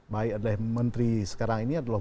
baik adalah menteri sekarang ini adalah